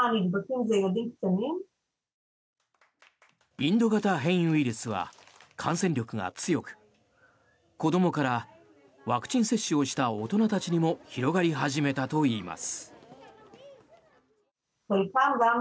インド型変異ウイルスは感染力が強く子どもからワクチン接種をした大人たちにも広がり始めたといいます。